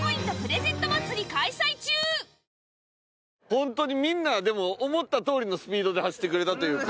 本当にみんなでも思ったとおりのスピードで走ってくれたというか。